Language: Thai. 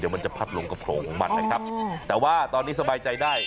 มันจะพัดลงกระโลงของมันนะครับแต่ว่าตอนนี้สบายใจได้